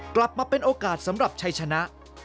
กลับมาเป็นโอกาสสำหรับชัยชนะ